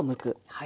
はい。